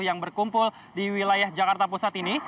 yang berkumpul di wilayah jakarta pusat ini